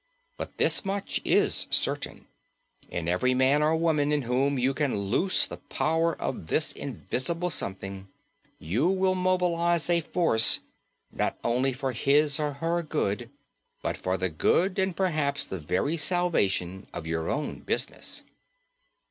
But this much is certain, in every man or woman in whom you can loose the power of this invisible something, you will mobilize a force, not only for his or her good, but for the good and perhaps the very salvation of your own business.